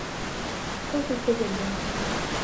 Што з іх даведваемся?